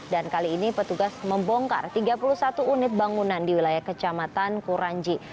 dan kali ini petugas membongkar tiga puluh satu unit bangunan di wilayah kecamatan kuranji